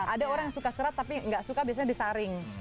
ada orang yang suka serat tapi nggak suka biasanya disaring